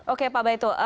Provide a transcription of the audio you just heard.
oke pak baito